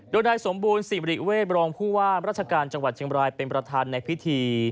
โดยนายสมบูรณสิมริเวศรองผู้ว่ามราชการจังหวัดเชียงบรายเป็นประธานในพิธี